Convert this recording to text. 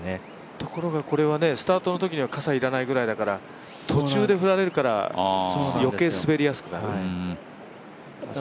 ところがこれはねスタートのときには傘がいらないくらいだから途中で降られるから余計滑りやすくなるね。